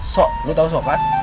sok lu tau sokat